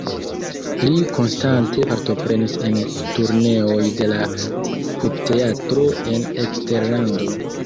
Li konstante partoprenis en turneoj de la Pupteatro en eksterlando.